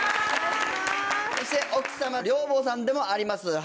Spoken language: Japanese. そして奥様寮母さんでもあります